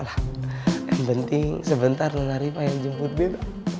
yang penting sebentar nona riva yang jemput bil